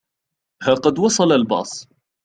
ها قد وصل الباص.